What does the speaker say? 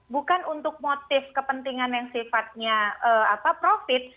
bukan untuk motif kepentingan yang sifatnya profit